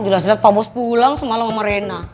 jelas jelas pak bos pulang semalam sama rena